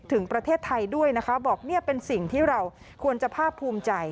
ถึงประเทศไทยด้วยนะคะบอกเนี่ยเป็นสิ่งที่เราควรจะภาคภูมิใจ